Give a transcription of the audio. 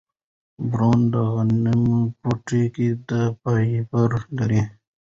بران د غنم پوټکی دی او فایبر لري.